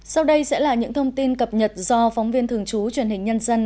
sau đây sẽ là những thông tin cập nhật do phóng viên thường trú truyền hình nhân dân